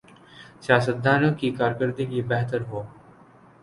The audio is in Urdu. سیاستدانوں کی کارکردگی بہتر ہو گی۔